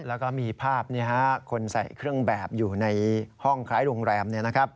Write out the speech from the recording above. แล้วก็มีภาพคนใส่เครื่องแบบอยู่ในห้องคล้ายโรงแรม